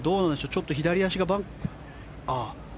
ちょっと左足が。